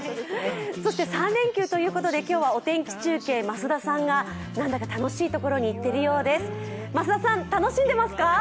そして３連休ということで今日はお天気中継、増田さんが何だか楽しい所に行ってるようです。